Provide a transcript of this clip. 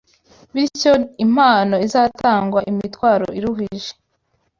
Bityo impano ziratangwa, imitwaro iruhije